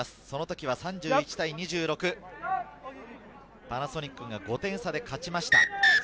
その時は３１対２６、パナソニックが５点差で勝ちました。